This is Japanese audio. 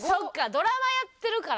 ドラマやってるから。